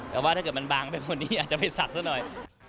แต่ว่าถ้าเกิดมันบางไปกว่านี้อาจจะไปสับซะหน่อย